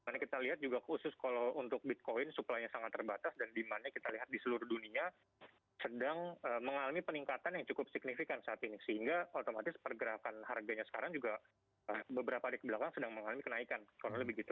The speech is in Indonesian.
karena kita lihat juga khusus kalau untuk bitcoin supply nya sangat terbatas dan demandnya kita lihat di seluruh dunia sedang mengalami peningkatan yang cukup signifikan saat ini sehingga otomatis pergerakan harganya sekarang juga beberapa hari kebelakang sedang mengalami kenaikan kurang lebih gitu